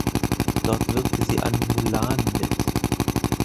Dort wirkte sie an "Mulan" mit.